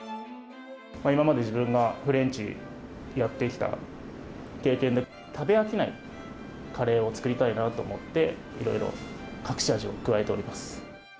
今まで自分がフレンチやってきた経験で、食べ飽きないカレーを作りたいなと思って、いろいろ隠し味を加えております。